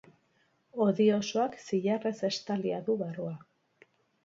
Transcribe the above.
Hodi osoak zilarrez estalia du barrua.